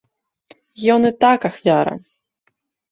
Ён і так ахвяра.